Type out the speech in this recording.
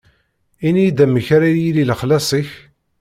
Ini-yi-d amek ara yili lexlaṣ-ik?